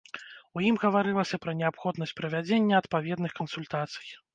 У ім гаварылася пра неабходнасць правядзення адпаведных кансультацый.